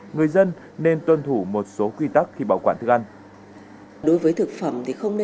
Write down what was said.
người dân nên tuân thủ một số quy tắc khi bảo quản thức ăn